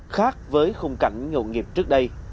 khác với khung cảnh nhậu nghiệp trước đây